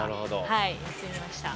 はいやってみました。